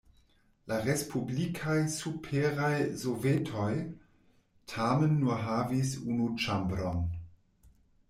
La respublikaj Superaj Sovetoj tamen nur havis unu ĉambron.